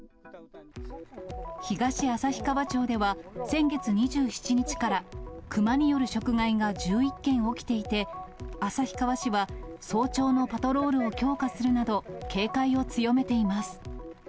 東旭川町では、先月２７日からクマによる食害が１１件起きていて、旭川市は早朝のパトロールを強化するなど、警戒を強めています。